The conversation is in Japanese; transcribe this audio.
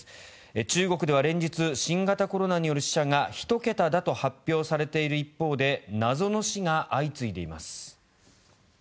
中国では連日新型コロナによる死者が１桁だと発表されている一方で謎の死が相次いでいます。